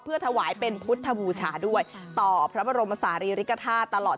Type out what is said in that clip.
ถวายเป็นพุทธบูชาด้วยต่อพระบรมศาลีริกฐาตุตลอด